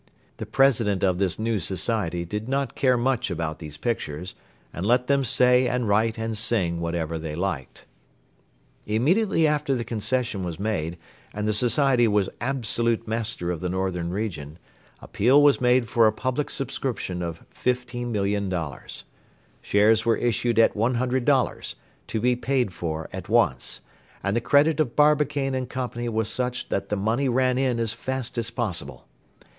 The President of this new Society did not care much about these pictures, and let them say and write and sing whatever they liked. Immediately after the concession was made and the Society was absolute master of the northern region, appeal was made for a public subscription of $15,000,000. Shares were issued at $100, to be paid for at once, and the credit of Barbicane & Co. was such that the money ran in as fast as possible.